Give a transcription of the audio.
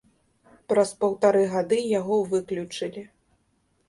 Праз паўтары гады яго выключылі.